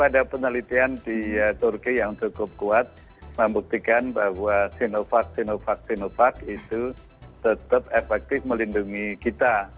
ada penelitian di turki yang cukup kuat membuktikan bahwa sinovac sinovac sinovac itu tetap efektif melindungi kita